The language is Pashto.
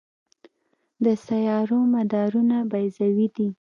د سیارو مدارونه بیضوي دي.